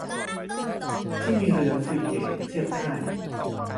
ที่มีเรือฟริเกตเทียบท่าอยู่